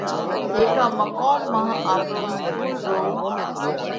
هيڪا مقوم مانه آپرو اِسڪُول رو